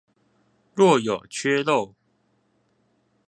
若有缺漏